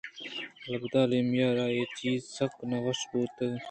البتہ ایمیلیا ءَ را اے چیز سک نہ وش بوتگ